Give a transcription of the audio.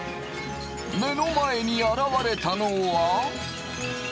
目の前に現れたのは。